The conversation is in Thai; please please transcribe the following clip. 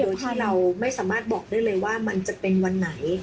โดยถ้าเราไม่สามารถบอกได้เลยว่ามันจะเป็นวันไหน